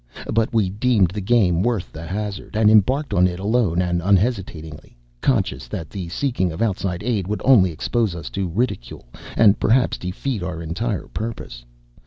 But we deemed the game worth the hazard, and embarked on it alone and unhesitatingly; conscious that the seeking of outside aid would only expose us to ridicule and perhaps defeat our entire purpose.